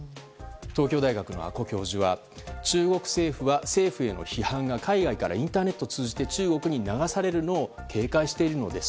東京大学の阿古教授は中国政府は批判が海外からインターネットを通じて中国に流されるのを警戒しているのです。